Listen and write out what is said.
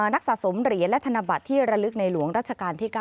นักสะสมเหรียญและธนบัตรที่ระลึกในหลวงรัชกาลที่๙